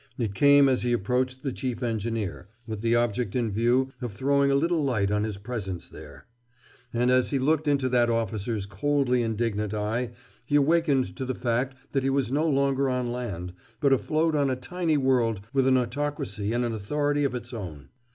It came as he approached the chief engineer, with the object in view of throwing a little light on his presence there. And as he looked into that officer's coldly indignant eye he awakened to the fact that he was no longer on land, but afloat on a tiny world with an autocracy and an authority of its own.